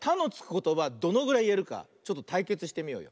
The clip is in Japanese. ことばどのぐらいいえるかちょっとたいけつしてみようよ。